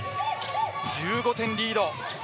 １５点リード。